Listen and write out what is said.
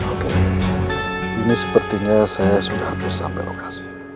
oke ini sepertinya saya sudah habis sampai lokasi